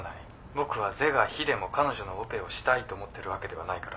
僕は是が否でも彼女のオペをしたいと思ってるわけではないからな。